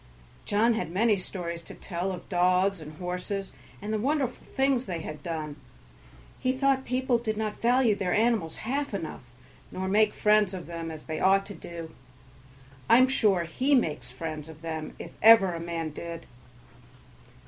John had many stories to tell of dogs and horses, and the wonderful things they had done; he thought people did not value their animals half enough nor make friends of them as they ought to do. I am sure he makes friends of them if ever a man did.